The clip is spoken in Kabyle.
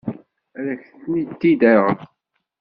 Ad ak-tent-id-aɣeɣ.